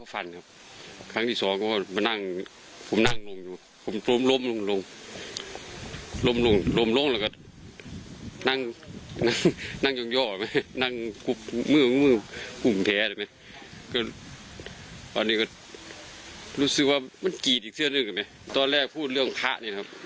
หัวหนี้ก็รู้สึกว่ามันกีดอีกสิ่งอื่นตอนแรกพูดเรื่องพระธะเนี่ยครับ